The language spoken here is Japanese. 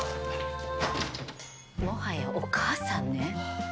もはやお母さんね。